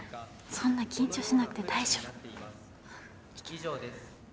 そんな緊張しなくて大丈夫・以上です